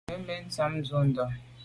Mbèn mbèn njam ntsho ndà.